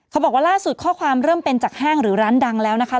เขาบอกว่าล่าสุดข้อความเริ่มเป็นจากห้างหรือร้านดังแล้วนะคะ